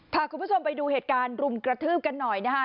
พาคุณผู้ชมไปดูเหตุการณ์รุมกระทืบกันหน่อยนะคะ